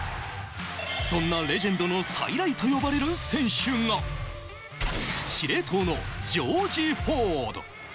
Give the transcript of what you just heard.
そんなレジェンドの再来と呼ばれる選手が、司令塔のジョージ・フォード。